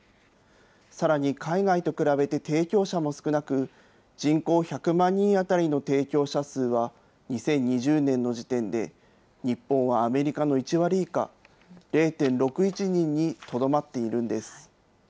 さらに海外と比べて提供者も少なく、人口１００万人当たりの提供者数は、２０２０年の時点で、日本はアメリカの１割以下、０．６１人にとどまっているんです。